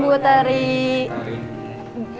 belum mulai meetingnya